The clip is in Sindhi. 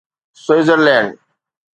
سئيٽرزلينڊ